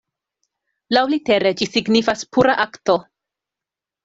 Laŭlitere ĝi signifas "pura akto.